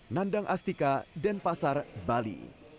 nandang astika dan pasar bali